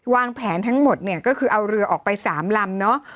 แผนทั้งหมดเนี่ยก็คือเอาเรือออกไป๓ลำเนาะ